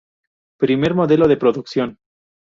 Primer modelo de producción.